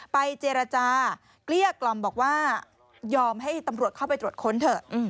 เจรจาเกลี้ยกล่อมบอกว่ายอมให้ตำรวจเข้าไปตรวจค้นเถอะ